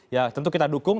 ya tentu kita dukung